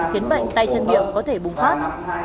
khiến bệnh tay chân miệng có thể bùng phát